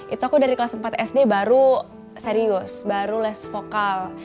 itu aku dari kelas empat sd baru serius baru less vokal